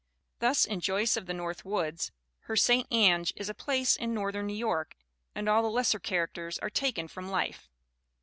Thus in Joyce of the North Woods her St. Ange is a place in northern New York and all the lesser characters are taken from life.